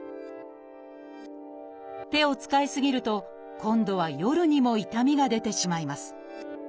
手を使い過ぎると今度は夜にも痛みが出てしまいます。